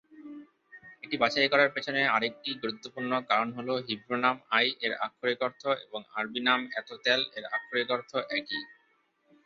এটি বাছাই করার পেছনে আরেকটি গুরুত্বপূর্ণ কারণ হল হিব্রু নাম "আই"-এর আক্ষরিক অর্থ এবং আরবি নাম "এত-তেল"-এর আক্ষরিক অর্থ একই।